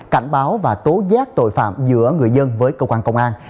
cảnh báo và tố giác tội phạm giữa người dân với cơ quan công an